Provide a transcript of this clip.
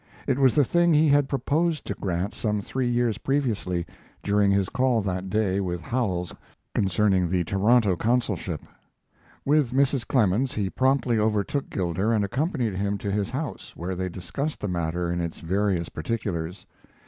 It was the thing he had proposed to Grant some three years previously, during his call that day with Howells concerning the Toronto consulship. With Mrs. Clemens, he promptly overtook Gilder and accompanied him to his house, where they discussed the matter in its various particulars.